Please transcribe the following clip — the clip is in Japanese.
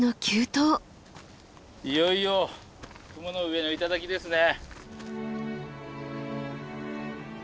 いよいよ雲の上の頂ですね。